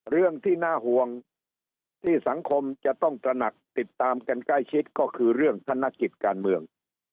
เรื่องที่น่าห่วงที่สังคมจะต้องตระหนักติดตามกันใกล้ชิดก็คือเรื่องธนกิจการเมือง